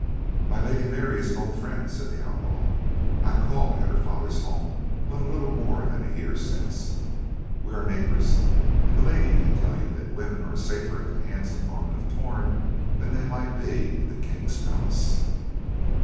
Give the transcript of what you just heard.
"My Lady Mary is an old friend," said the outlaw. "I called at her father's home but little more than a year since. We are neighbors, and the lady can tell you that women are safer at the hands of Norman of Torn than they might be in the King's palace."